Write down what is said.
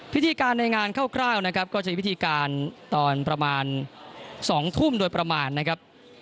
พิธีการในงานคร่าวนะครับก็จะมีพิธีการตอนประมาณ๒ทุ่มโดยประมาณนะครับ